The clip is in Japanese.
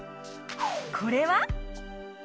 これは？